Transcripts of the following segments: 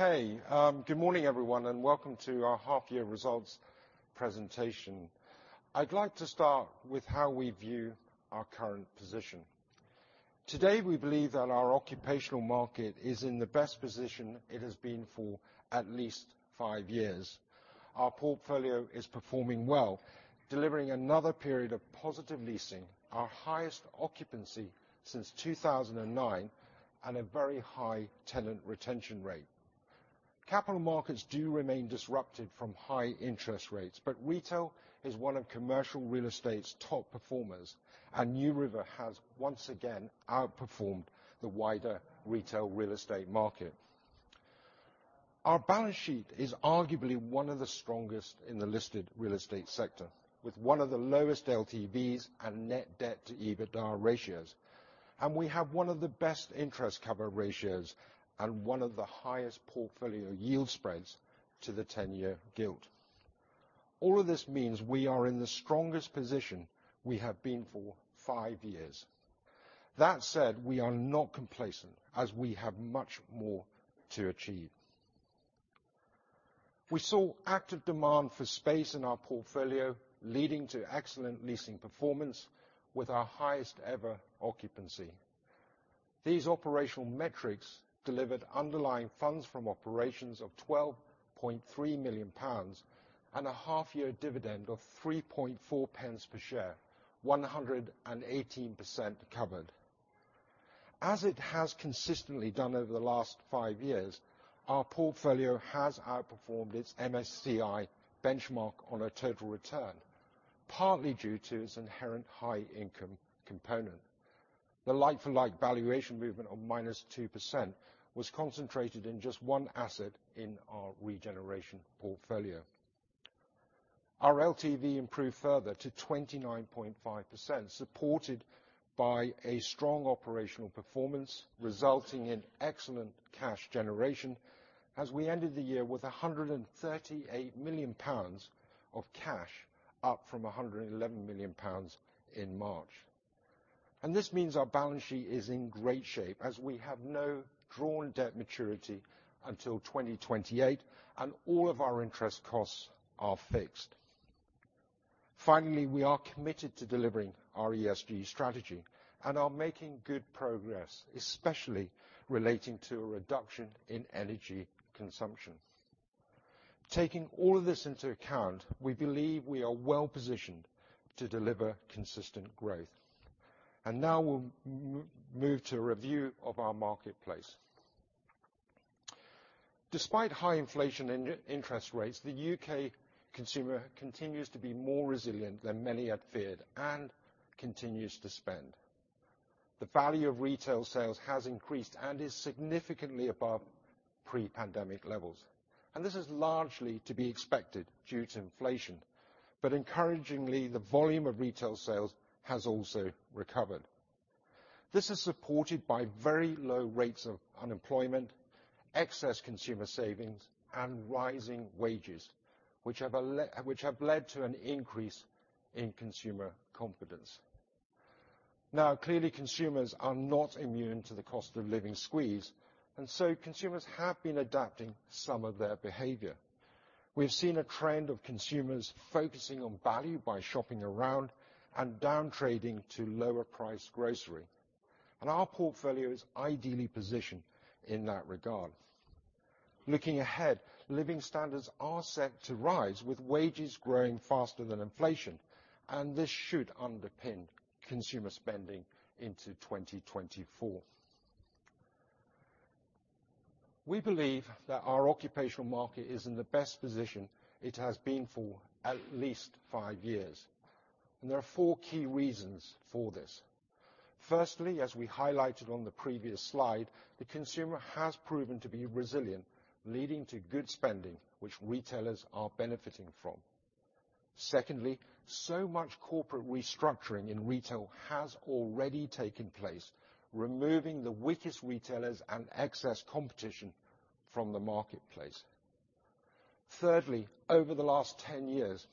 Okay, good morning, everyone, and welcome to our half year results presentation. I'd like to start with how we view our current position. Today, we believe that our occupational market is in the best position it has been for at least five years. Our portfolio is performing well, delivering another period of positive leasing, our highest occupancy since 2009, and a very high tenant retention rate. Capital markets do remain disrupted from high interest rates, but retail is one of commercial real estate's top performers, and NewRiver has once again outperformed the wider retail real estate market. Our balance sheet is arguably one of the strongest in the listed real estate sector, with one of the lowest LTVs and net debt to EBITDA ratios. We have one of the best interest cover ratios and one of the highest portfolio yield spreads to the ten-year gilt. All of this means we are in the strongest position we have been for five years. That said, we are not complacent, as we have much more to achieve. We saw active demand for space in our portfolio, leading to excellent leasing performance with our highest ever occupancy. These operational metrics delivered underlying funds from operations of 12.3 million pounds, and a half year dividend of 0.034 per share, 118% covered. As it has consistently done over the last five years, our portfolio has outperformed its MSCI benchmark on a total return, partly due to its inherent high income component. The like-for-like valuation movement of -2% was concentrated in just one asset in our regeneration portfolio. Our LTV improved further to 29.5%, supported by a strong operational performance, resulting in excellent cash generation as we ended the year with 138 million pounds of cash, up from 111 million pounds in March. And this means our balance sheet is in great shape as we have no drawn debt maturity until 2028, and all of our interest costs are fixed. Finally, we are committed to delivering our ESG strategy and are making good progress, especially relating to a reduction in energy consumption. Taking all of this into account, we believe we are well-positioned to deliver consistent growth. And now we'll move to a review of our marketplace. Despite high inflation and interest rates, the UK consumer continues to be more resilient than many had feared and continues to spend. The value of retail sales has increased and is significantly above pre-pandemic levels, and this is largely to be expected due to inflation. But encouragingly, the volume of retail sales has also recovered. This is supported by very low rates of unemployment, excess consumer savings, and rising wages, which have led to an increase in consumer confidence. Now, clearly, consumers are not immune to the cost of living squeeze, and so consumers have been adapting some of their behavior. We've seen a trend of consumers focusing on value by shopping around and downtrading to lower priced grocery, and our portfolio is ideally positioned in that regard. Looking ahead, living standards are set to rise, with wages growing faster than inflation, and this should underpin consumer spending into 2024. We believe that our occupational market is in the best position it has been for at least five years, and there are four key reasons for this. Firstly, as we highlighted on the previous slide, the consumer has proven to be resilient, leading to good spending, which retailers are benefiting from. Secondly, so much corporate restructuring in retail has already taken place, removing the weakest retailers and excess competition from the marketplace. Thirdly, over the last 10 years,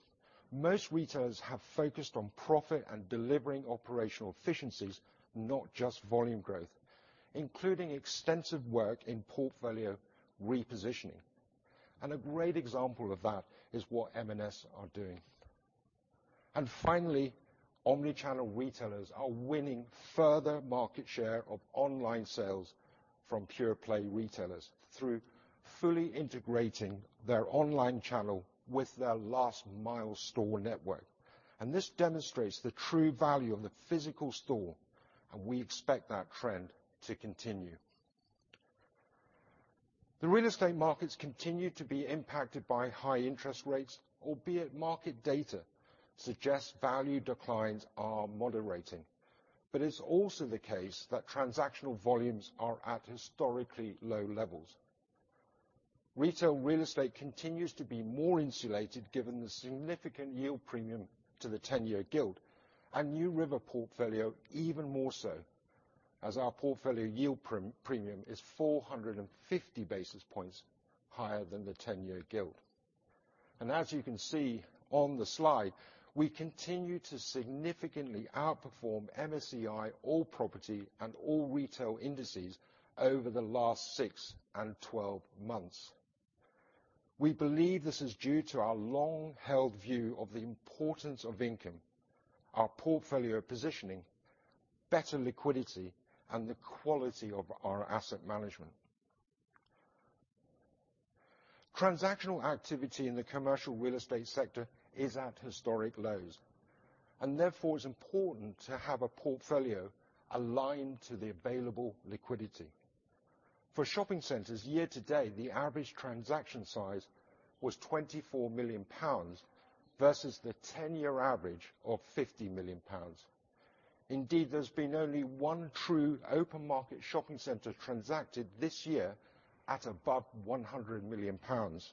most retailers have focused on profit and delivering operational efficiencies, not just volume growth, including extensive work in portfolio repositioning. And a great example of that is what M&S are doing. And finally, omnichannel retailers are winning further market share of online sales from pure play retailers through fully integrating their online channel with their last mile store network. This demonstrates the true value of the physical store, and we expect that trend to continue. The real estate markets continue to be impacted by high interest rates, albeit market data suggests value declines are moderating. But it's also the case that transactional volumes are at historically low levels. Retail real estate continues to be more insulated, given the significant yield premium to the ten-year gilt, and NewRiver portfolio even more so, as our portfolio yield premium is 450 basis points higher than the ten-year gilt. And as you can see on the slide, we continue to significantly outperform MSCI all property and all retail indices over the last 6 and 12 months. We believe this is due to our long-held view of the importance of income, our portfolio positioning, better liquidity, and the quality of our asset management. Transactional activity in the commercial real estate sector is at historic lows, and therefore, it's important to have a portfolio aligned to the available liquidity. For shopping centers, year-to-date, the average transaction size was 24 million pounds versus the 10-year average of 50 million pounds. Indeed, there's been only one true open market shopping center transacted this year at above 100 million pounds.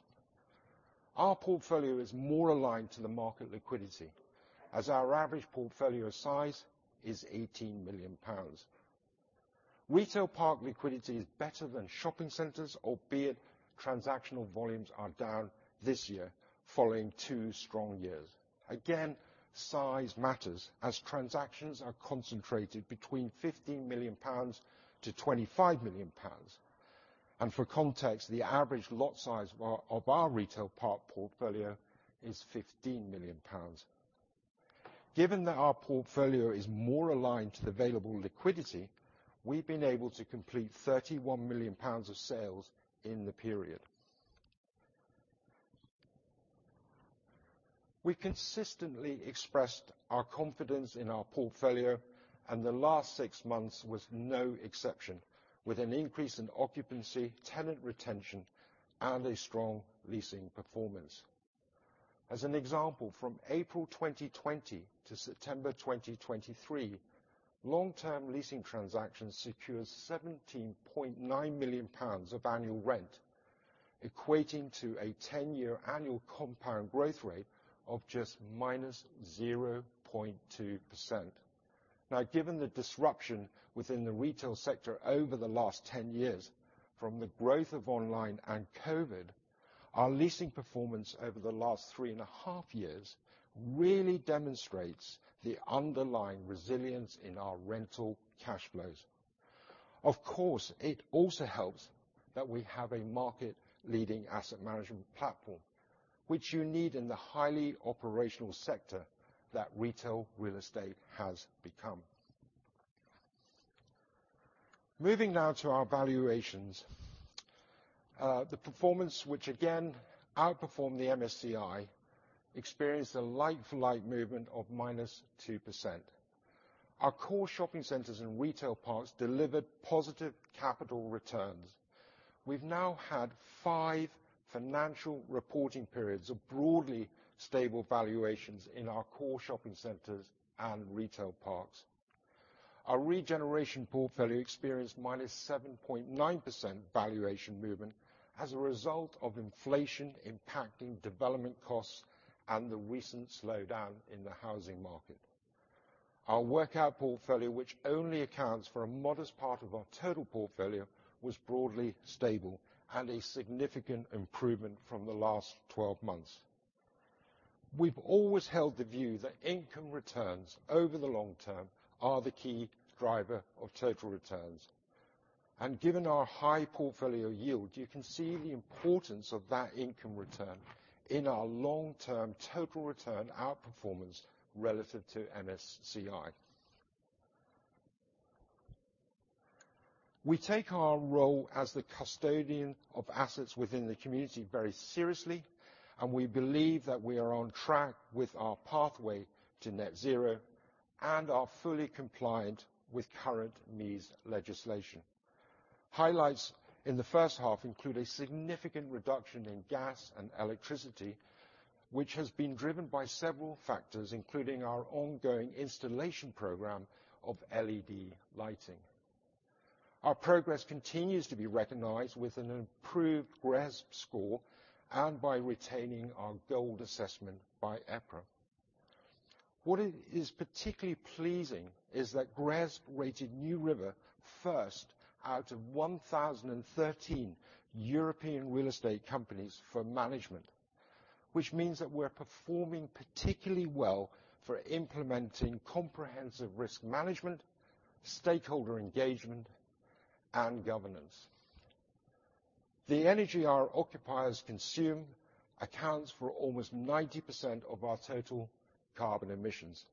Our portfolio is more aligned to the market liquidity, as our average portfolio size is 18 million pounds. Retail park liquidity is better than shopping centers, albeit transactional volumes are down this year following two strong years. Again, size matters as transactions are concentrated between 15 million-25 million pounds, and for context, the average lot size of our retail park portfolio is 15 million pounds. Given that our portfolio is more aligned to the available liquidity, we've been able to complete 31 million pounds of sales in the period. We consistently expressed our confidence in our portfolio, and the last six months was no exception, with an increase in occupancy, tenant retention, and a strong leasing performance. As an example, from April 2020 to September 2023, long-term leasing transactions secured 17.9 million pounds of annual rent, equating to a 10-year annual compound growth rate of just -0.2%. Now, given the disruption within the retail sector over the last 10 years, from the growth of online and COVID, our leasing performance over the last three and a half years really demonstrates the underlying resilience in our rental cash flows. Of course, it also helps that we have a market-leading asset management platform, which you need in the highly operational sector that retail real estate has become. Moving now to our valuations. The performance, which again outperformed the MSCI, experienced a like-for-like movement of minus 2%. Our core shopping centers and retail parks delivered positive capital returns. We've now had five financial reporting periods of broadly stable valuations in our core shopping centers and retail parks. Our regeneration portfolio experienced minus 7.9% valuation movement as a result of inflation impacting development costs and the recent slowdown in the housing market. Our workout portfolio, which only accounts for a modest part of our total portfolio, was broadly stable and a significant improvement from the last 12 months. We've always held the view that income returns over the long term are the key driver of total returns, and given our high portfolio yield, you can see the importance of that income return in our long-term total return outperformance relative to MSCI. We take our role as the custodian of assets within the community very seriously, and we believe that we are on track with our pathway to Net Zero and are fully compliant with current MEES legislation. Highlights in the first half include a significant reduction in gas and electricity, which has been driven by several factors, including our ongoing installation program of LED lighting. Our progress continues to be recognized with an improved GRESB score and by retaining our gold assessment by EPRA. What is particularly pleasing is that GRESB rated NewRiver first out of 1,013 European real estate companies for management, which means that we're performing particularly well for implementing comprehensive risk management, stakeholder engagement, and governance. The energy our occupiers consume accounts for almost 90% of our total carbon emissions.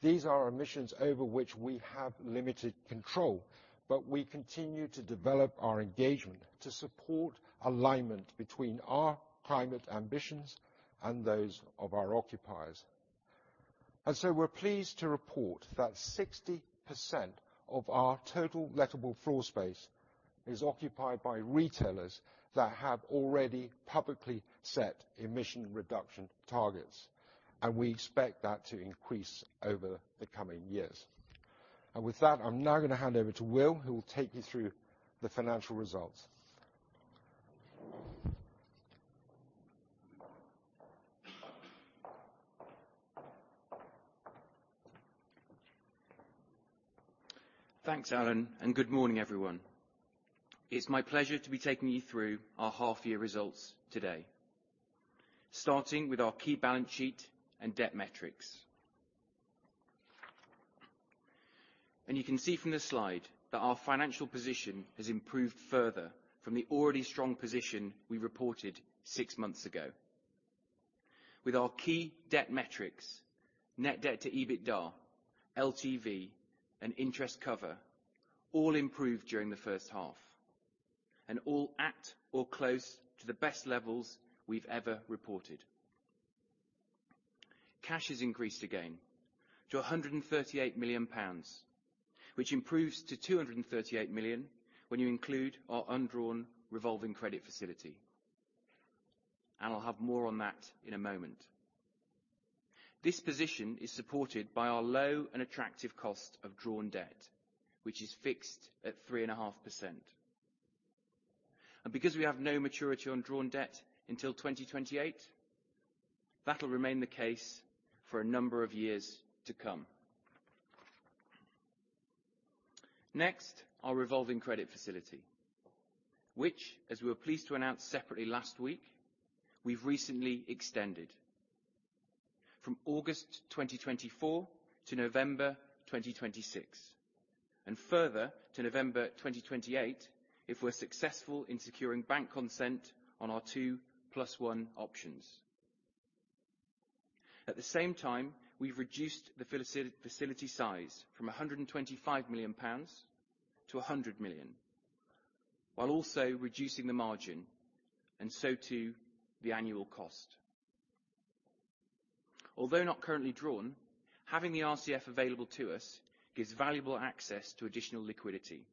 These are emissions over which we have limited control, but we continue to develop our engagement to support alignment between our climate ambitions and those of our occupiers. And so we're pleased to report that 60% of our total lettable floor space is occupied by retailers that have already publicly set emission reduction targets, and we expect that to increase over the coming years. And with that, I'm now going to hand over to Will, who will take you through the financial results. Thanks, Allan, and good morning, everyone. It's my pleasure to be taking you through our half year results today, starting with our key balance sheet and debt metrics. You can see from this slide that our financial position has improved further from the already strong position we reported six months ago. With our key debt metrics, net debt to EBITDA, LTV, and interest cover, all improved during the first half, and all at or close to the best levels we've ever reported. Cash has increased again to 138 million pounds, which improves to 238 million when you include our undrawn revolving credit facility, and I'll have more on that in a moment. This position is supported by our low and attractive cost of drawn debt, which is fixed at 3.5%. Because we have no maturity on drawn debt until 2028, that'll remain the case for a number of years to come. Next, our revolving credit facility, which, as we were pleased to announce separately last week, we've recently extended from August 2024 to November 2026, and further to November 2028, if we're successful in securing bank consent on our 2 + 1 options. At the same time, we've reduced the facility size from 125 million pounds to 100 million, while also reducing the margin, and so too, the annual cost. Although not currently drawn, having the RCF available to us gives valuable access to additional liquidity.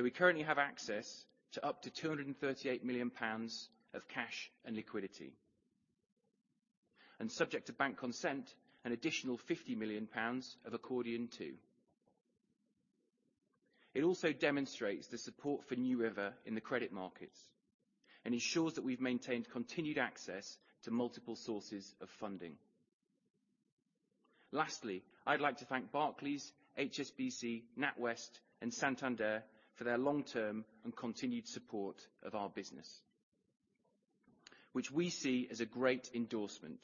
We currently have access to up to 238 million pounds of cash and liquidity, and subject to bank consent, an additional 50 million pounds of accordion too. It also demonstrates the support for NewRiver in the credit markets and ensures that we've maintained continued access to multiple sources of funding. Lastly, I'd like to thank Barclays, HSBC, NatWest, and Santander for their long-term and continued support of our business, which we see as a great endorsement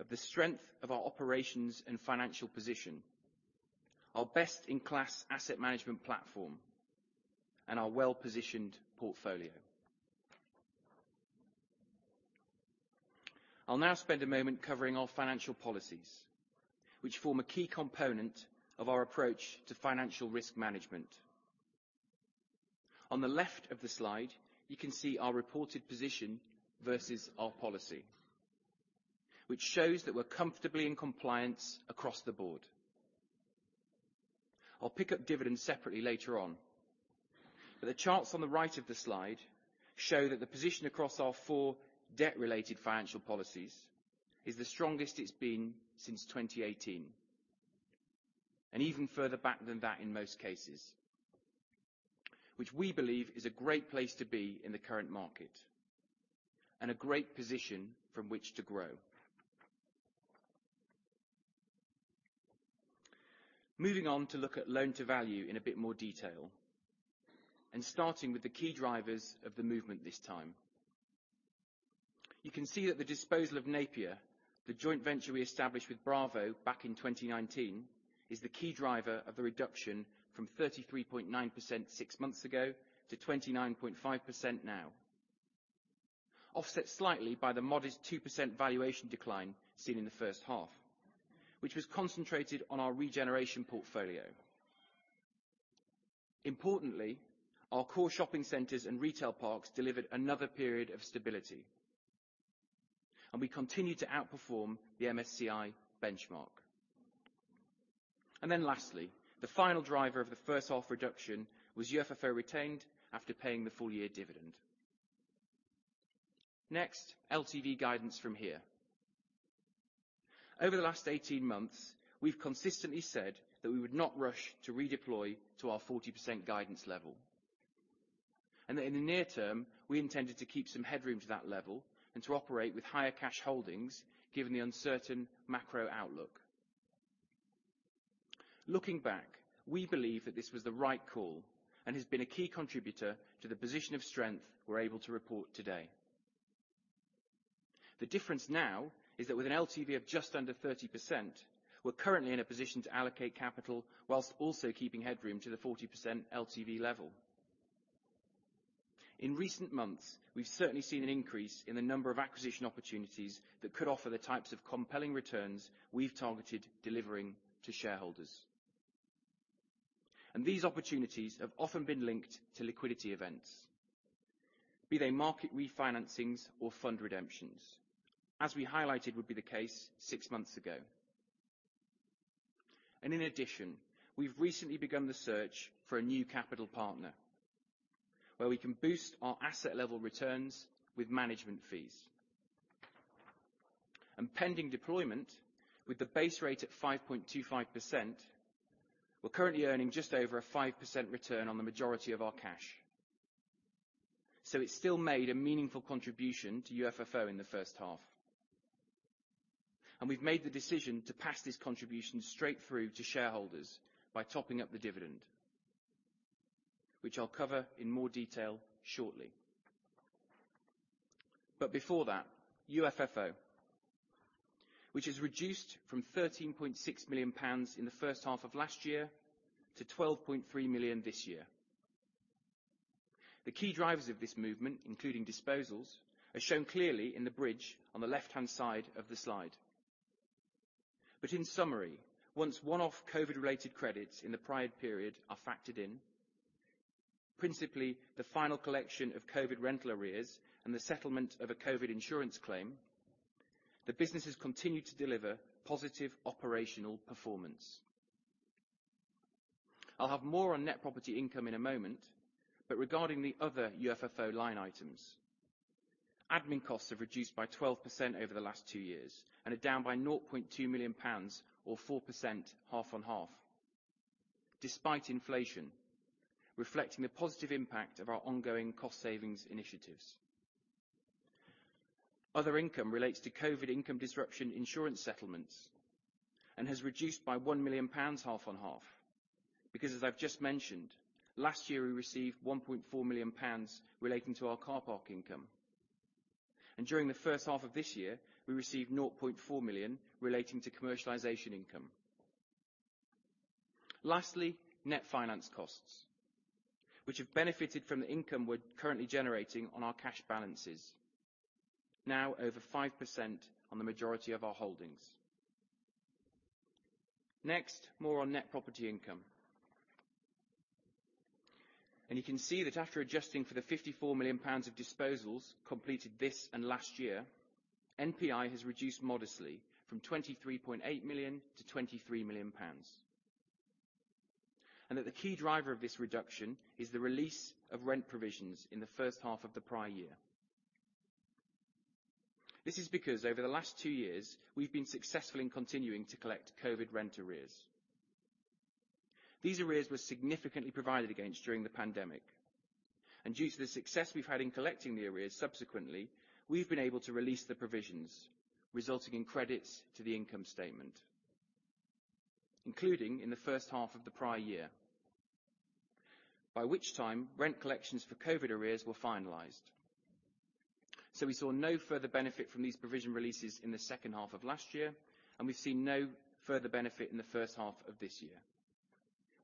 of the strength of our operations and financial position, our best-in-class asset management platform, and our well-positioned portfolio. I'll now spend a moment covering our financial policies, which form a key component of our approach to financial risk management. On the left of the slide, you can see our reported position versus our policy, which shows that we're comfortably in compliance across the board. I'll pick up dividends separately later on, but the charts on the right of the slide show that the position across our four debt-related financial policies is the strongest it's been since 2018, and even further back than that in most cases, which we believe is a great place to be in the current market, and a great position from which to grow. Moving on to look at loan-to-value in a bit more detail, and starting with the key drivers of the movement this time. You can see that the disposal of Napier, the joint venture we established with Bravo back in 2019, is the key driver of the reduction from 33.9% six months ago to 29.5 now. Offset slightly by the modest 2% valuation decline seen in the first half, which was concentrated on our regeneration portfolio. Importantly, our core shopping centers and retail parks delivered another period of stability, and we continued to outperform the MSCI benchmark. Then lastly, the final driver of the first-half reduction was UFFO retained after paying the full year dividend. Next, LTV guidance from here. Over the last 18 months, we've consistently said that we would not rush to redeploy to our 40% guidance level, and that in the near term, we intended to keep some headroom to that level and to operate with higher cash holdings, given the uncertain macro outlook. Looking back, we believe that this was the right call and has been a key contributor to the position of strength we're able to report today. The difference now is that with an LTV of just under 30%, we're currently in a position to allocate capital whilst also keeping headroom to the 40% LTV level. In recent months, we've certainly seen an increase in the number of acquisition opportunities that could offer the types of compelling returns we've targeted delivering to shareholders. These opportunities have often been linked to liquidity events, be they market refinancings or fund redemptions, as we highlighted would be the case six months ago. In addition, we've recently begun the search for a new capital partner, where we can boost our asset level returns with management fees. Pending deployment, with the base rate at 5.25%, we're currently earning just over a 5% return on the majority of our cash. So it still made a meaningful contribution to UFFO in the first half. We've made the decision to pass this contribution straight through to shareholders by topping up the dividend, which I'll cover in more detail shortly. But before that, UFFO, which has reduced from 13.6 million pounds in the first half of last year to 12.3 million this year. The key drivers of this movement, including disposals, are shown clearly in the bridge on the left-hand side of the slide. But in summary, once one-off COVID-related credits in the prior period are factored in, principally the final collection of COVID rental arrears and the settlement of a COVID insurance claim, the business has continued to deliver positive operational performance. I'll have more on net property income in a moment, but regarding the other UFFO line items, admin costs have reduced by 12% over the last two years, and are down by 0.2 million pounds, or 4% half-on-half, despite inflation, reflecting the positive impact of our ongoing cost savings initiatives. Other income relates to COVID income disruption insurance settlements, and has reduced by 1 million pounds, half-on-half. Because as I've just mentioned, last year, we received 1.4 million pounds relating to our car park income, and during the first half of this year, we received 0.4 million relating to commercialization income. Lastly, net finance costs, which have benefited from the income we're currently generating on our cash balances, now over 5% on the majority of our holdings. Next, more on net property income. And you can see that after adjusting for the 54 million pounds of disposals completed this and last year, NPI has reduced modestly from 23.8 million to 23 million pounds. And that the key driver of this reduction is the release of rent provisions in the first half of the prior year. This is because over the last 2 years, we've been successful in continuing to collect COVID rent arrears. These arrears were significantly provided against during the pandemic, and due to the success we've had in collecting the arrears subsequently, we've been able to release the provisions, resulting in credits to the income statement, including in the first half of the prior year, by which time rent collections for COVID arrears were finalized. So we saw no further benefit from these provision releases in the second half of last year, and we've seen no further benefit in the first half of this year,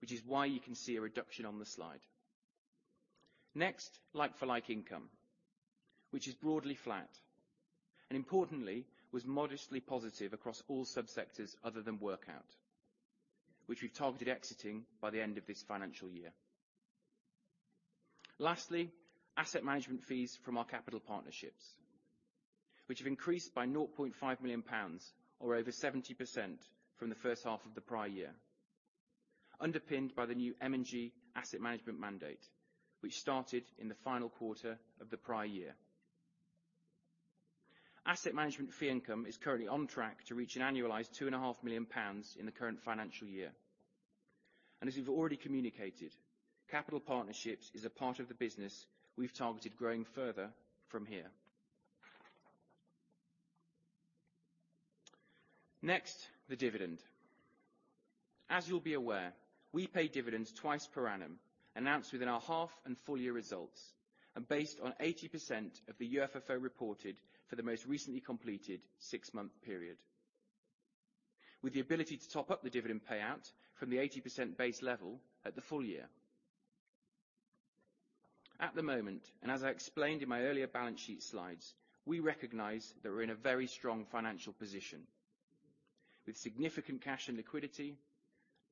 which is why you can see a reduction on the slide. Next, like-for-like income, which is broadly flat, and importantly, was modestly positive across all subsectors other than workout, which we've targeted exiting by the end of this financial year. Lastly, asset management fees from our capital partnerships, which have increased by 0.5 million pounds or over 70% from the first half of the prior year, underpinned by the new M&G Asset Management mandate, which started in the final quarter of the prior year. Asset management fee income is currently on track to reach an annualized 2.5 million pounds in the current financial year. And as we've already communicated, Capital Partnerships is a part of the business we've targeted growing further from here. Next, the dividend. As you'll be aware, we pay dividends twice per annum, announced within our half and full year results, and based on 80% of the UFFO reported for the most recently completed six-month period, with the ability to top up the dividend payout from the 80% base level at the full year. At the moment, and as I explained in my earlier balance sheet slides, we recognize that we're in a very strong financial position, with significant cash and liquidity,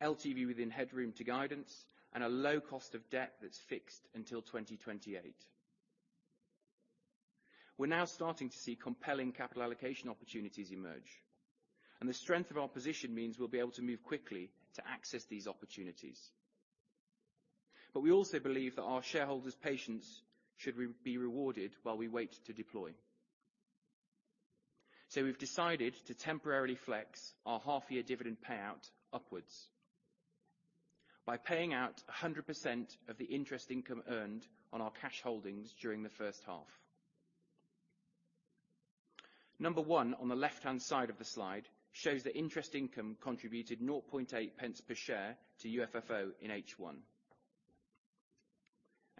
LTV within headroom to guidance, and a low cost of debt that's fixed until 2028. We're now starting to see compelling capital allocation opportunities emerge, and the strength of our position means we'll be able to move quickly to access these opportunities. But we also believe that our shareholders' patience should be rewarded while we wait to deploy. So we've decided to temporarily flex our half-year dividend payout upwards by paying out 100% of the interest income earned on our cash holdings during the first half. Number one, on the left-hand side of the slide, shows that interest income contributed 0.8 pence per share to UFFO in H1.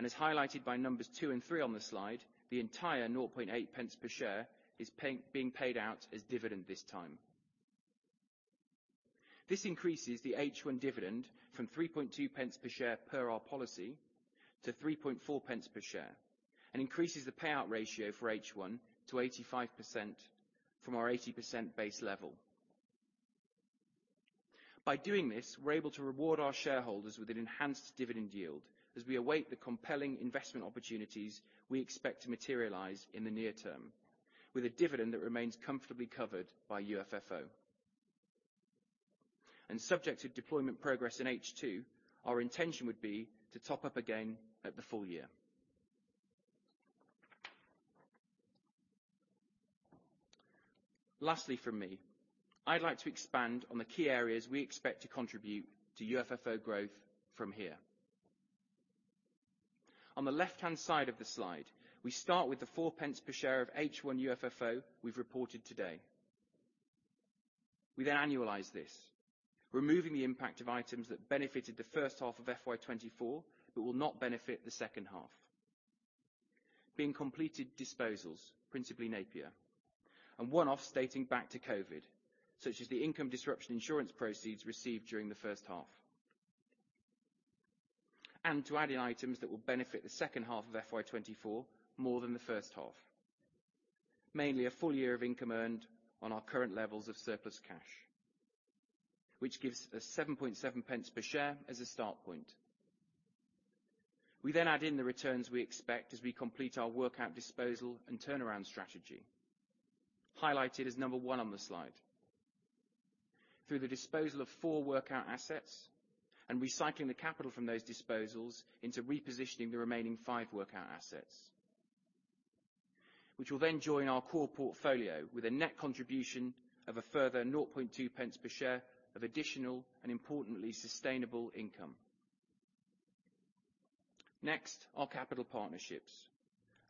As highlighted by numbers two and three on the slide, the entire 0.8 pence per share is being paid out as dividend this time. This increases the H1 dividend from 3.2 pence per share per our policy, to 3.4 pence per share, and increases the payout ratio for H1 to 85% from our 80% base level. By doing this, we're able to reward our shareholders with an enhanced dividend yield as we await the compelling investment opportunities we expect to materialize in the near term, with a dividend that remains comfortably covered by UFFO. Subject to deployment progress in H2, our intention would be to top up again at the full year. Lastly from me, I'd like to expand on the key areas we expect to contribute to UFFO growth from here. On the left-hand side of the slide, we start with the 4 pence per share of H1 UFFO we've reported today. We then annualize this, removing the impact of items that benefited the first half of FY 2024, but will not benefit the second half. Being completed disposals, principally Napier, and one-off dating back to COVID, such as the income disruption insurance proceeds received during the first half. And to add in items that will benefit the second half of FY 2024 more than the first half, mainly a full year of income earned on our current levels of surplus cash, which gives us 7.7 pence per share as a start point. We then add in the returns we expect as we complete our workout disposal and turnaround strategy, highlighted as number one on the slide. Through the disposal of 4 workout assets and recycling the capital from those disposals into repositioning the remaining 5 workout assets, which will then join our core portfolio with a net contribution of a further 0.2 pence per share of additional, and importantly, sustainable income. Next, our capital partnerships,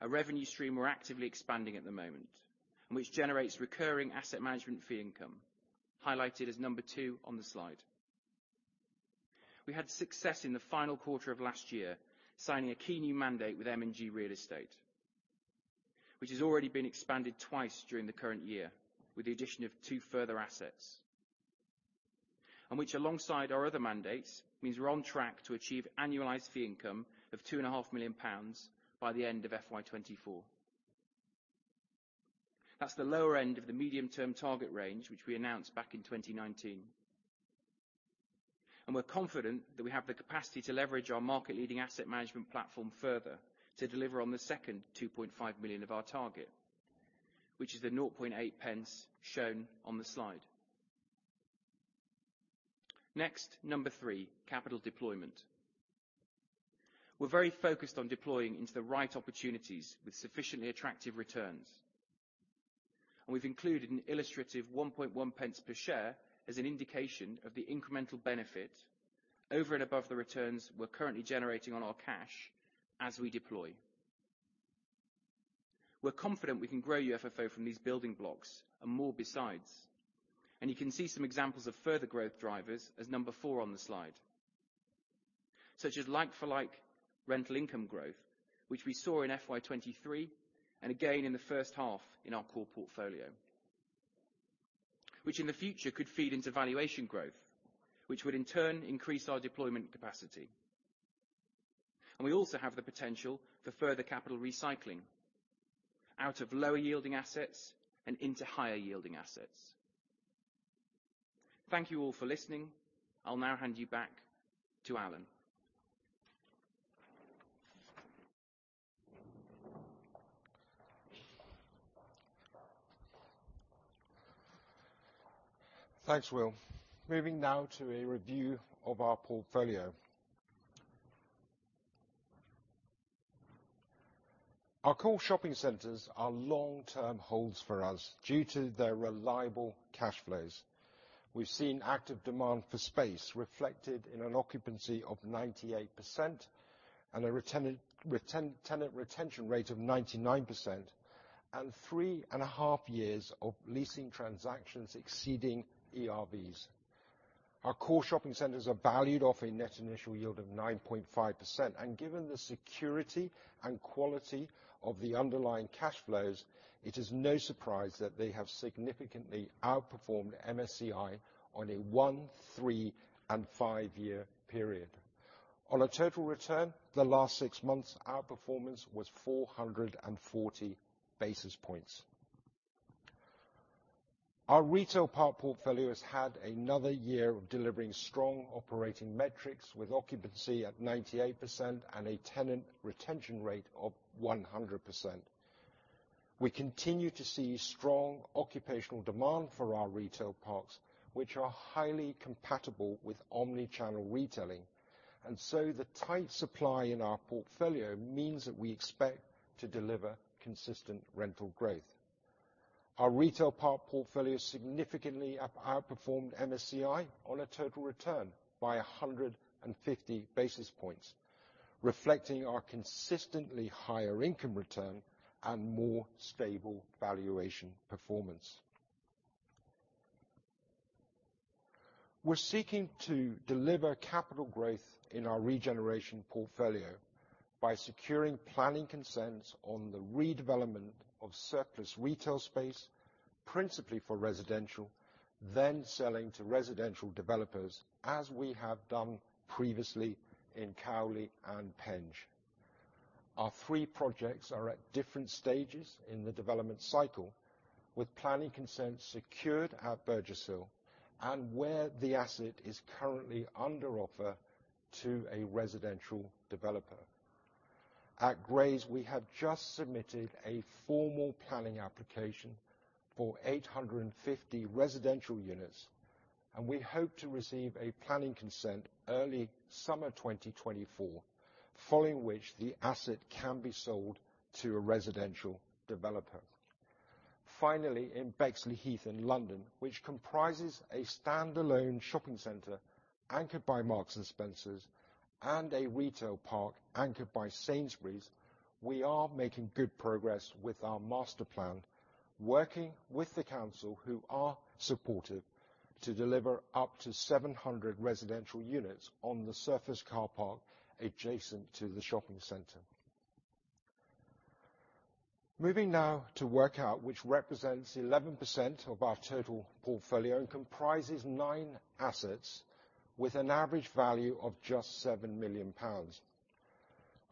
a revenue stream we're actively expanding at the moment, and which generates recurring asset management fee income, highlighted as number 2 on the slide. We had success in the final quarter of last year, signing a key new mandate with M&G Real Estate, which has already been expanded twice during the current year, with the addition of 2 further assets, and which, alongside our other mandates, means we're on track to achieve annualized fee income of 2.5 million pounds by the end of FY 2024. That's the lower end of the medium-term target range, which we announced back in 2019. We're confident that we have the capacity to leverage our market-leading asset management platform further to deliver on the second 2.5 million of our target, which is the 0.008 shown on the slide. Next, number three, capital deployment. We're very focused on deploying into the right opportunities with sufficiently attractive returns, and we've included an illustrative 0.011 per share as an indication of the incremental benefit over and above the returns we're currently generating on our cash as we deploy. We're confident we can grow UFFO from these building blocks and more besides, and you can see some examples of further growth drivers as number four on the slide, such as like-for-like rental income growth, which we saw in FY 2023, and again in the first half in our core portfolio, which in the future could feed into valuation growth, which would in turn increase our deployment capacity. We also have the potential for further capital recycling out of lower-yielding assets and into higher-yielding assets. Thank you all for listening. I'll now hand you back to Allan. Thanks, Will. Moving now to a review of our portfolio. Our core shopping centers are long-term holds for us due to their reliable cash flows. We've seen active demand for space reflected in an occupancy of 98% and a tenant retention rate of 99%, and 3.5 years of leasing transactions exceeding ERVs. Our core shopping centers are valued off a net initial yield of 9.5%, and given the security and quality of the underlying cash flows, it is no surprise that they have significantly outperformed MSCI on a 1-, 3-, and 5-year period. On a total return, the last six months, our performance was 440 basis points. Our retail park portfolio has had another year of delivering strong operating metrics, with occupancy at 98% and a tenant retention rate of 100%. We continue to see strong occupational demand for our retail parks, which are highly compatible with omni-channel retailing, and so the tight supply in our portfolio means that we expect to deliver consistent rental growth. Our retail park portfolio significantly outperformed MSCI on a total return by 150 basis points, reflecting our consistently higher income return and more stable valuation performance. We're seeking to deliver capital growth in our regeneration portfolio by securing planning consents on the redevelopment of surplus retail space, principally for residential, then selling to residential developers, as we have done previously in Cowley and Penge. Our three projects are at different stages in the development cycle, with planning consent secured at Burgess Hill, and where the asset is currently under offer to a residential developer. At Grays, we have just submitted a formal planning application for 850 residential units. We hope to receive a planning consent early summer 2024, following which the asset can be sold to a residential developer. Finally, in Bexleyheath in London, which comprises a standalone shopping center anchored by Marks & Spencer, and a retail park anchored by Sainsbury's, we are making good progress with our master plan, working with the council, who are supportive, to deliver up to 700 residential units on the surface car park adjacent to the shopping center. Moving now to workout, which represents 11% of our total portfolio and comprises nine assets with an average value of just 7 million pounds.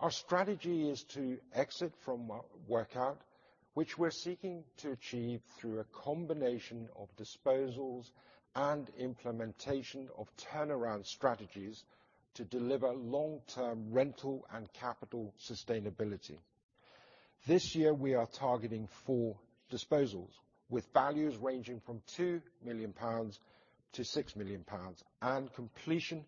Our strategy is to exit from workout, which we're seeking to achieve through a combination of disposals and implementation of turnaround strategies to deliver long-term rental and capital sustainability. This year, we are targeting four disposals, with values ranging from 2 million pounds to 6 million pounds, and completion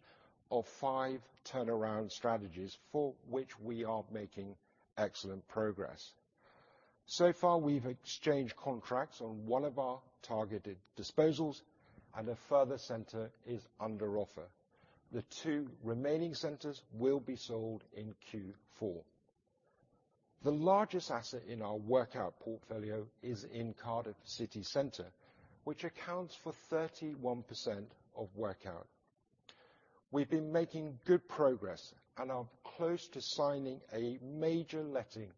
of five turnaround strategies, for which we are making excellent progress. So far, we've exchanged contracts on one of our targeted disposals, and a further center is under offer. The two remaining centers will be sold in Q4. The largest asset in our workout portfolio is in Cardiff, which accounts for 31% of workout. We've been making good progress and are close to signing a major letting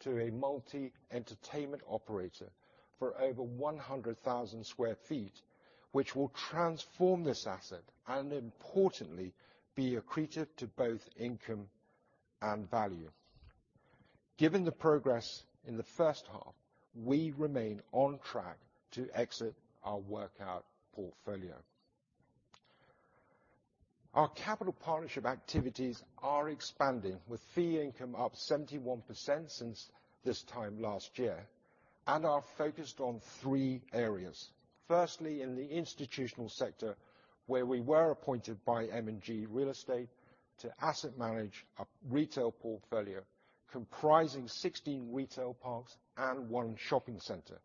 to a multi-entertainment operator for over 100,000 sq ft, which will transform this asset and, importantly, be accretive to both income and value. Given the progress in the first half, we remain on track to exit our workout portfolio. Our capital partnership activities are expanding, with fee income up 71% since this time last year, and are focused on three areas. Firstly, in the institutional sector, where we were appointed by M&G Real Estate to asset manage a retail portfolio comprising 16 retail parks and one shopping center.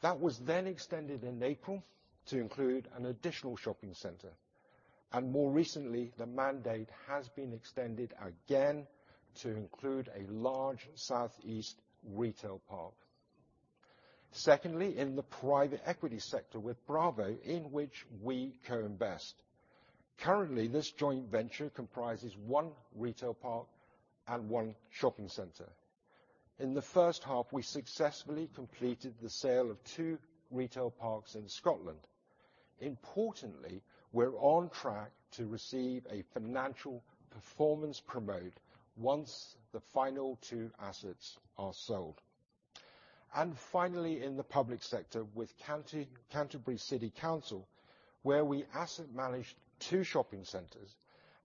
That was then extended in April to include an additional shopping center, and more recently, the mandate has been extended again to include a large Southeast retail park. Secondly, in the private equity sector with Bravo, in which we co-invest. Currently, this joint venture comprises one retail park and one shopping center. In the first half, we successfully completed the sale of two retail parks in Scotland. Importantly, we're on track to receive a financial performance promote once the final two assets are sold. Finally, in the public sector with Canterbury City Council, where we asset manage two shopping centers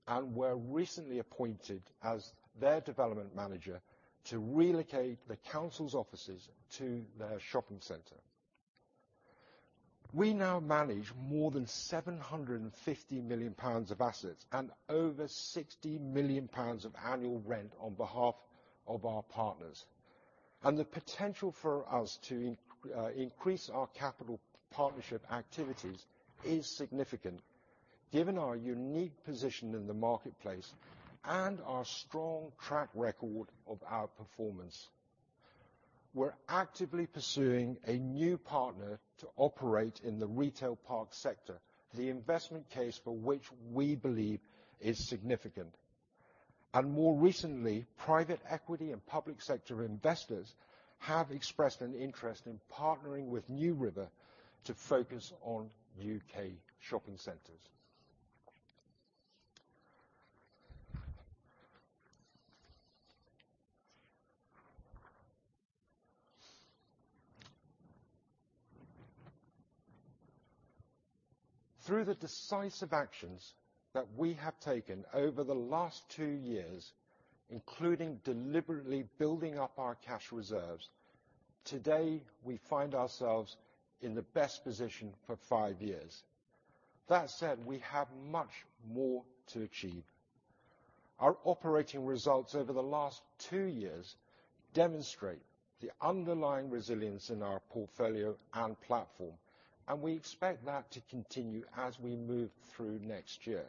and were recently appointed as their development manager to relocate the council's offices to their shopping center. We now manage more than 750 million pounds of assets and over 60 million pounds of annual rent on behalf of our partners, and the potential for us to increase our capital partnership activities is significant, given our unique position in the marketplace and our strong track record of outperformance. We're actively pursuing a new partner to operate in the retail park sector, the investment case for which we believe is significant. More recently, private equity and public sector investors have expressed an interest in partnering with NewRiver to focus on U.K. shopping centers. Through the decisive actions that we have taken over the last two years, including deliberately building up our cash reserves, today, we find ourselves in the best position for five years. That said, we have much more to achieve. Our operating results over the last two years demonstrate the underlying resilience in our portfolio and platform, and we expect that to continue as we move through next year.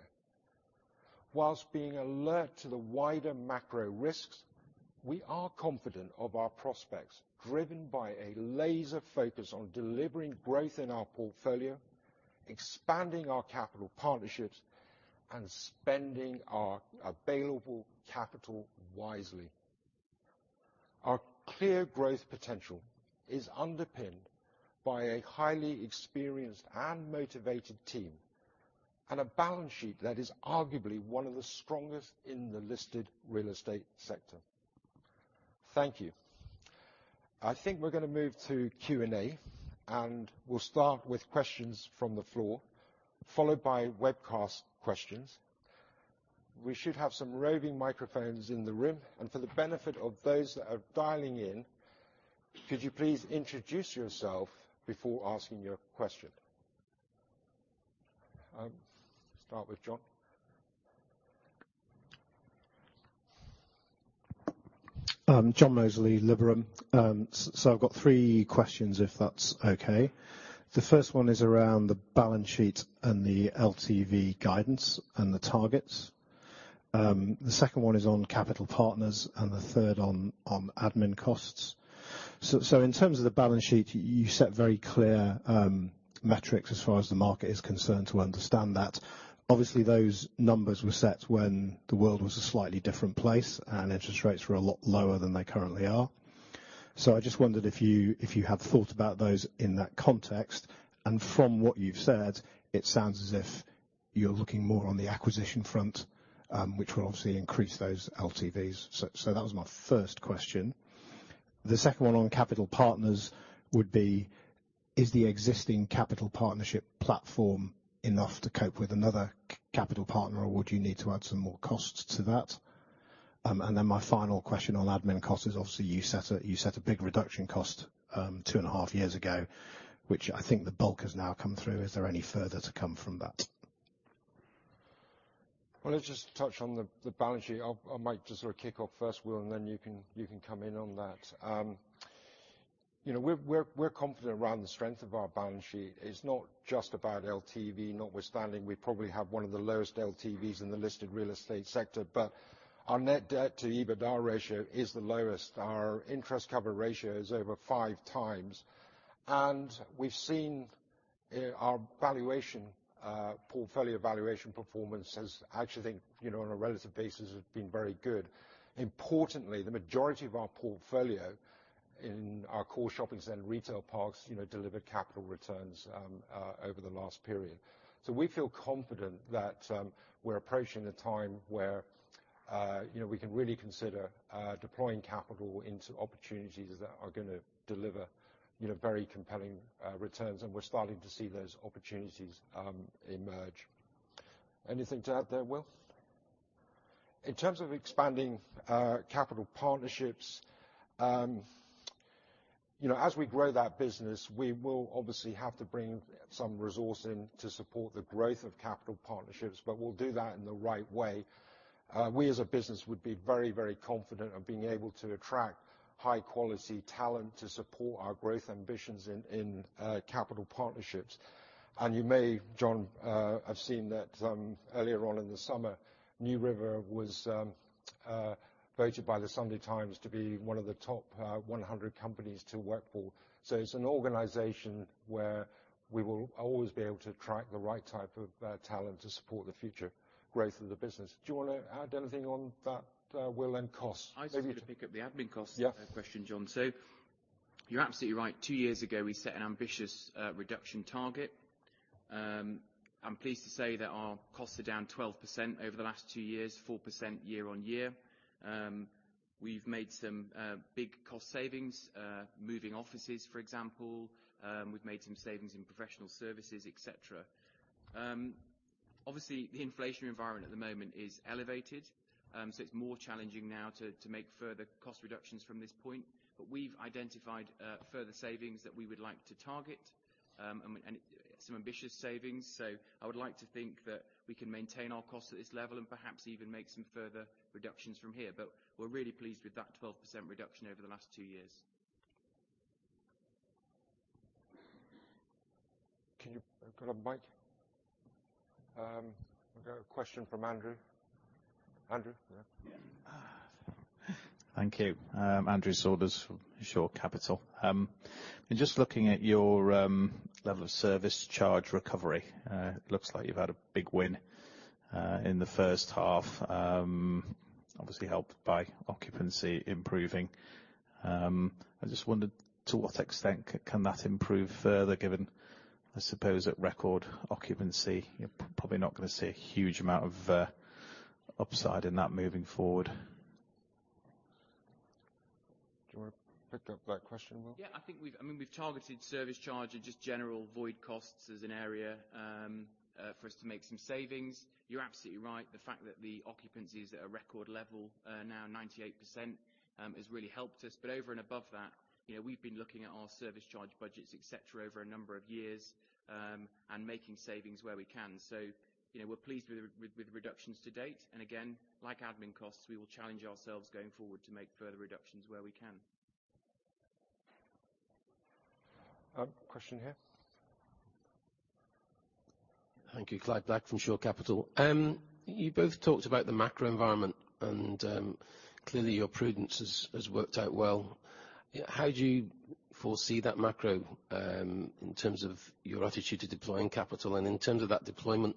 While being alert to the wider macro risks, we are confident of our prospects, driven by a laser focus on delivering growth in our portfolio, expanding our capital partnerships, and spending our available capital wisely. Our clear growth potential is underpinned by a highly experienced and motivated team, and a balance sheet that is arguably one of the strongest in the listed real estate sector. Thank you. I think we're gonna move to Q&A, and we'll start with questions from the floor, followed by webcast questions. We should have some roving microphones in the room, and for the benefit of those that are dialing in, could you please introduce yourself before asking your question? Start with John. John Sheridan, Liberum. So I've got three questions, if that's okay. The first one is around the balance sheet and the LTV guidance and the targets. The second one is on capital partners, and the third on admin costs. So in terms of the balance sheet, you set very clear metrics as far as the market is concerned to understand that. Obviously, those numbers were set when the world was a slightly different place, and interest rates were a lot lower than they currently are. So I just wondered if you had thought about those in that context, and from what you've said, it sounds as if you're looking more on the acquisition front, which will obviously increase those LTVs. So that was my first question. The second one on capital partners would be: Is the existing capital partnership platform enough to cope with another capital partner, or would you need to add some more costs to that? And then my final question on admin costs is, obviously, you set a big reduction cost two and a half years ago, which I think the bulk has now come through. Is there any further to come from that? Well, let's just touch on the balance sheet. I might just sort of kick off first, Will, and then you can come in on that. You know, we're confident around the strength of our balance sheet. It's not just about LTV, notwithstanding, we probably have one of the lowest LTVs in the listed real estate sector, but our net debt to EBITDA ratio is the lowest. Our interest cover ratio is over five times, and we've seen our valuation, portfolio valuation performance has actually, you know, on a relative basis, has been very good. Importantly, the majority of our portfolio in our core shopping center and retail parks, you know, delivered capital returns over the last period. So we feel confident that, we're approaching a time where, you know, we can really consider, deploying capital into opportunities that are gonna deliver, you know, very compelling, returns, and we're starting to see those opportunities, emerge. Anything to add there, Will? In terms of expanding, capital partnerships, you know, as we grow that business, we will obviously have to bring some resource in to support the growth of capital partnerships, but we'll do that in the right way. We, as a business, would be very, very confident of being able to attract high-quality talent to support our growth ambitions in, capital partnerships. You may, John, have seen that, earlier on in the summer, NewRiver was, voted by the Sunday Times to be one of the top 100 companies to work for. So it's an organization where we will always be able to attract the right type of, talent to support the future growth of the business. Do you wanna add anything on that, Will, and cost? Maybe- I just want to pick up the admin cost- Yeah -question, John. So you're absolutely right. Two years ago, we set an ambitious reduction target. I'm pleased to say that our costs are down 12% over the last two years, 4% year-on-year. We've made some big cost savings, moving offices, for example. We've made some savings in professional services, et cetera. Obviously, the inflation environment at the moment is elevated, so it's more challenging now to make further cost reductions from this point. But we've identified further savings that we would like to target, and some ambitious savings. So I would like to think that we can maintain our costs at this level and perhaps even make some further reductions from here. But we're really pleased with that 12% reduction over the last two years. Can you pull up the mic? We've got a question from Andrew. Andrew? Yeah. Thank you. Andrew Saunders, Shore Capital. Just looking at your level of service charge recovery, looks like you've had a big win in the first half, obviously, helped by occupancy improving. I just wondered, to what extent can that improve further, given, I suppose, at record occupancy, you're probably not gonna see a huge amount of upside in that moving forward? Do you wanna pick up that question, Will? Yeah, I think we've I mean, we've targeted service charge and just general void costs as an area, for us to make some savings. You're absolutely right. The fact that the occupancy is at a record level, now 98%, has really helped us. But over and above that, you know, we've been looking at our service charge budgets, et cetera, over a number of years, and making savings where we can. So, you know, we're pleased with the, with the reductions to date, and again, like admin costs, we will challenge ourselves going forward to make further reductions where we can. Question here. Thank you. Clive Black from Shore Capital. You both talked about the macro environment and, clearly, your prudence has worked out well. How do you foresee that macro in terms of your attitude to deploying capital and in terms of that deployment,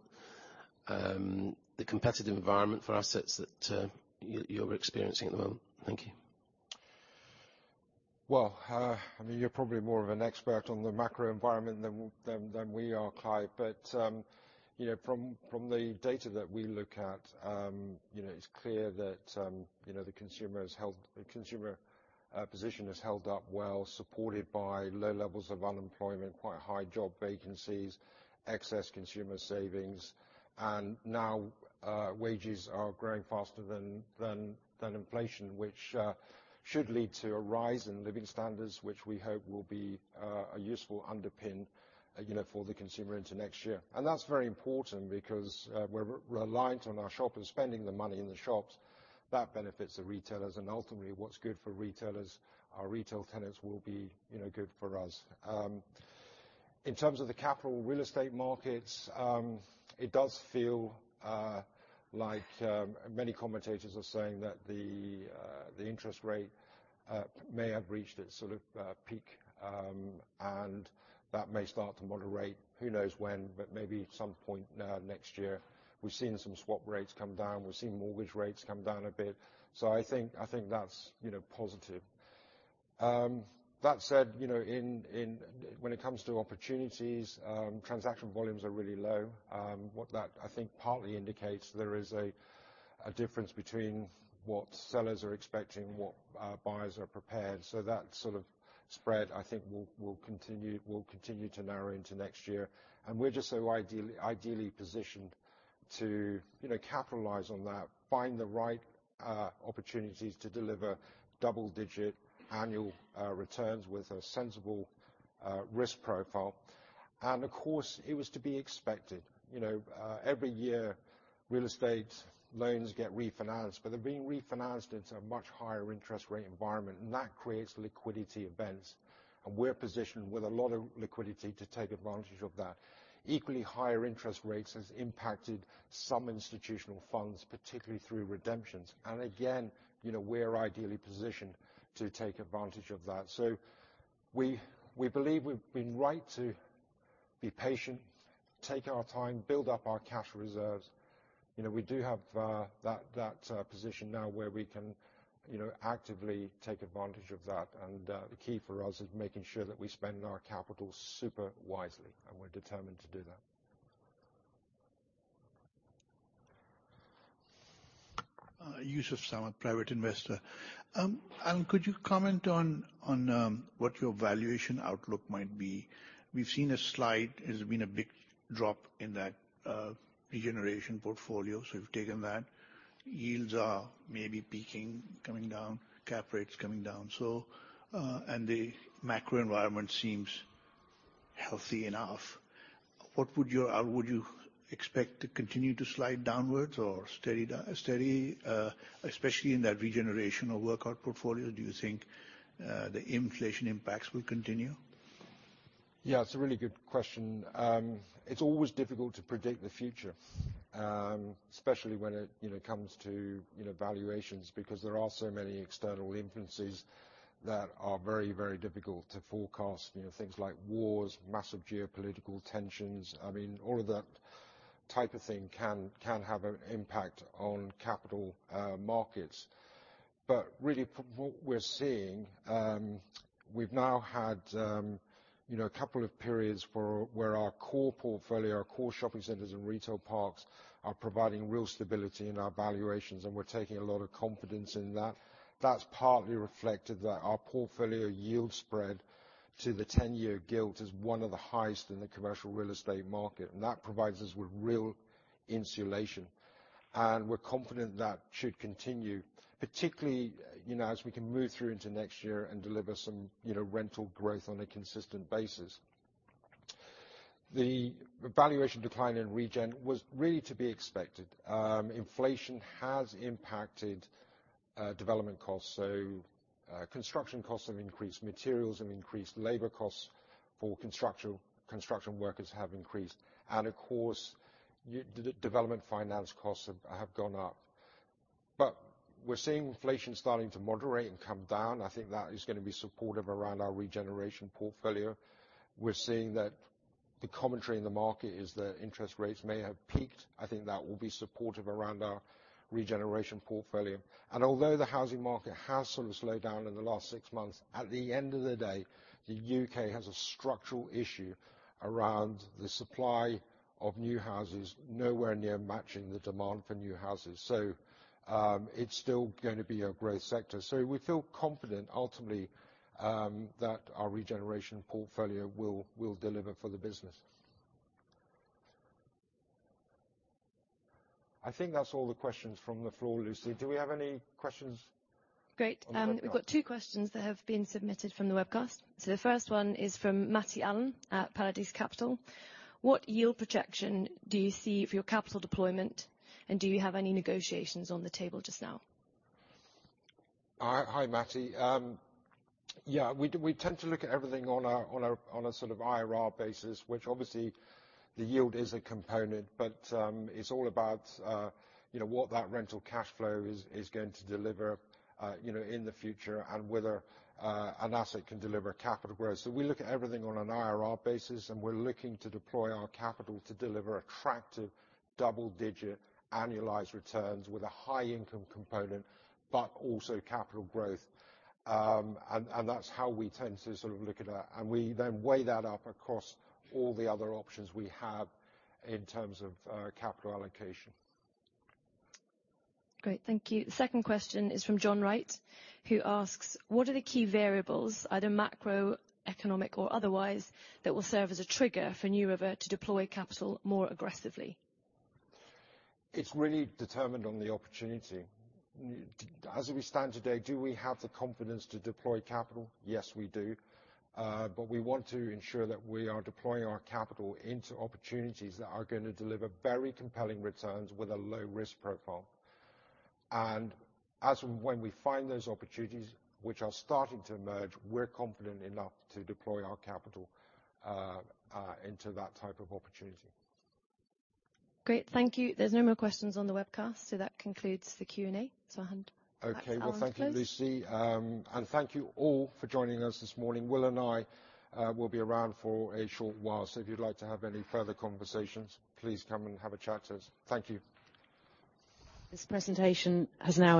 the competitive environment for assets that you're experiencing at the moment? Thank you. Well, I mean, you're probably more of an expert on the macro environment than we are, Clive, but, you know, from the data that we look at, you know, it's clear that, you know, the consumer has held, the consumer position has held up well, supported by low levels of unemployment, quite high job vacancies, excess consumer savings, and now, wages are growing faster than inflation, which should lead to a rise in living standards, which we hope will be a useful underpin, you know, for the consumer into next year. And that's very important because, we're reliant on our shoppers spending the money in the shops. That benefits the retailers, and ultimately, what's good for retailers, our retail tenants will be, you know, good for us. In terms of the capital real estate markets, it does feel like many commentators are saying that the interest rate may have reached its sort of peak. And that may start to moderate. Who knows when, but maybe at some point next year. We've seen some swap rates come down. We've seen mortgage rates come down a bit, so I think, I think that's, you know, positive. That said, you know, in, in. When it comes to opportunities, transaction volumes are really low. What that, I think, partly indicates there is a difference between what sellers are expecting and what buyers are prepared. So that sort of spread, I think, will continue to narrow into next year, and we're just so ideally positioned to, you know, capitalize on that, find the right opportunities to deliver double-digit annual returns with a sensible risk profile. And of course, it was to be expected. You know, every year, real estate loans get refinanced, but they're being refinanced into a much higher interest rate environment, and that creates liquidity events, and we're positioned with a lot of liquidity to take advantage of that. Equally, higher interest rates has impacted some institutional funds, particularly through redemptions. And again, you know, we're ideally positioned to take advantage of that. So we believe we've been right to be patient, take our time, build up our cash reserves. You know, we do have that position now, where we can, you know, actively take advantage of that. The key for us is making sure that we spend our capital super wisely, and we're determined to do that. Yusuf Samad, private investor. Allan, could you comment on what your valuation outlook might be? We've seen a slight, there's been a big drop in that regeneration portfolio, so you've taken that. Yields are maybe peaking, coming down, cap rates coming down, so and the macro environment seems healthy enough. What would you expect to continue to slide downwards or steady steady, especially in that regeneration or workout portfolio? Do you think the inflation impacts will continue? Yeah, it's a really good question. It's always difficult to predict the future, especially when it, you know, comes to, you know, valuations because there are so many external influences that are very, very difficult to forecast. You know, things like wars, massive geopolitical tensions, I mean, all of that type of thing can have an impact on capital markets. But really, from what we're seeing, we've now had, you know, a couple of periods for where our core portfolio, our core shopping centers and retail parks, are providing real stability in our valuations, and we're taking a lot of confidence in that. That's partly reflected that our portfolio yield spread to the ten-year gilt is one of the highest in the commercial real estate market, and that provides us with real insulation, and we're confident that should continue, particularly, you know, as we can move through into next year and deliver some, you know, rental growth on a consistent basis. The valuation decline in regen was really to be expected. Inflation has impacted development costs, so construction costs have increased, materials have increased, labor costs for construction, construction workers have increased, and of course, the development finance costs have gone up. But we're seeing inflation starting to moderate and come down. I think that is gonna be supportive around our regeneration portfolio. We're seeing that the commentary in the market is that interest rates may have peaked. I think that will be supportive around our regeneration portfolio, and although the housing market has sort of slowed down in the last six months, at the end of the day, the U.K. has a structural issue around the supply of new houses nowhere near matching the demand for new houses. So, it's still going to be a growth sector. So we feel confident ultimately that our regeneration portfolio will deliver for the business. I think that's all the questions from the floor, Lucy. Do we have any questions? Great. On the webcast? We've got two questions that have been submitted from the webcast. So the first one is from Matty Allen at Paradice Capital: What yield projection do you see for your capital deployment, and do you have any negotiations on the table just now? Hi, Matty. Yeah, we tend to look at everything on a sort of IRR basis, which obviously the yield is a component, but it's all about, you know, what that rental cash flow is going to deliver, you know, in the future and whether an asset can deliver capital growth. So we look at everything on an IRR basis, and we're looking to deploy our capital to deliver attractive double-digit annualized returns with a high income component, but also capital growth. And that's how we tend to sort of look at that, and we then weigh that up across all the other options we have in terms of capital allocation. Great, thank you. The second question is from John Wright, who asks: What are the key variables, either macroeconomic or otherwise, that will serve as a trigger for NewRiver to deploy capital more aggressively? It's really determined on the opportunity. As we stand today, do we have the confidence to deploy capital? Yes, we do. But we want to ensure that we are deploying our capital into opportunities that are gonna deliver very compelling returns with a low-risk profile. And as and when we find those opportunities, which are starting to emerge, we're confident enough to deploy our capital into that type of opportunity. Great, thank you. There's no more questions on the webcast, so that concludes the Q&A, so I'll hand back to Allan to close. Okay. Well, thank you, Lucy. Thank you all for joining us this morning. Will and I will be around for a short while, so if you'd like to have any further conversations, please come and have a chat to us. Thank you. This presentation has now-